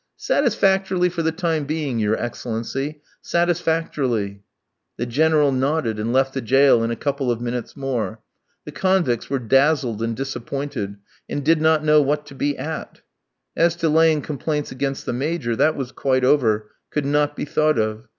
"Satisfactorily for the time being, your Excellency, satisfactorily." The General nodded, and left the jail in a couple of minutes more. The convicts were dazzled and disappointed, and did not know what to be at. As to laying complaints against the Major, that was quite over, could not be thought of.